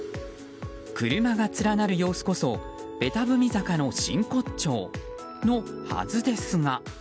車が連なる様子こそベタ踏み坂の真骨頂のはずですが。